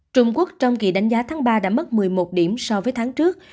trung quốc trong kỳ đánh giá tháng ba đã mất một mươi một điểm so với tháng trước